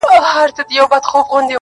لاس زما مه نيسه چي اور وانـــخــلـې.